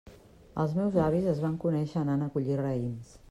Els meus avis es van conèixer anant a collir raïms.